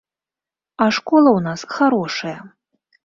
А школа ў нас харошая.